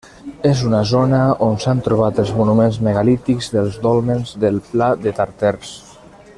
És una zona on s'han trobat els monuments megalítics dels Dòlmens del Pla de Tarters.